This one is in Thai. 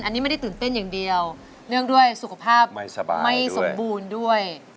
อันนี้ไม่ได้ตื่นเต้นอย่างเดียวเนื่องด้วยสุขภาพไม่สบายไม่สมบูรณ์ด้วย